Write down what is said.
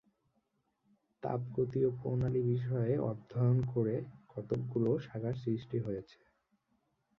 তাপগতীয় প্রণালী বিষয়ে অধ্যয়ন করে কতকগুলো শাখার সৃষ্টি হয়েছে।